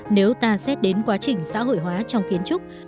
nếu ta xét đến quá trình xã hội hóa trong kiến trúc